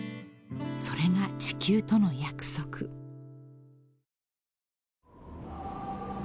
［それが地球との約束］届け。